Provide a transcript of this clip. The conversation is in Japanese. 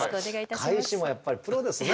返しもやっぱりプロですね。